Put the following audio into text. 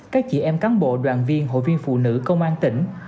các chị em cán bộ đoàn viên hội viên phụ nữ công an tỉnh